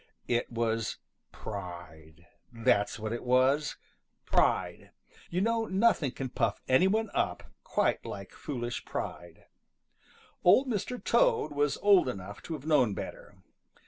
It was pride. That's what it was pride. You know nothing can puff any one up quite like foolish pride. Old Mr. Toad was old enough to have known better.